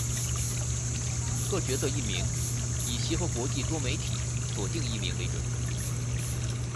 各角色译名以协和国际多媒体所定译名为准。